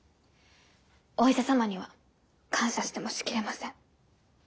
お医者様には感謝してもしきれません。